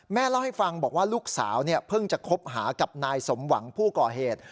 เล่าให้ฟังบอกว่าลูกสาวเพิ่งจะคบหากับนายสมหวังผู้ก่อเหตุ